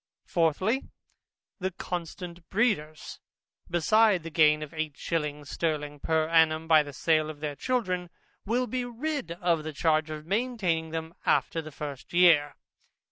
Fourthly, The constant breeders, besides the gain of eight shillings sterling per annum by the sale of their children, will be rid of the charge of maintaining them after the first year.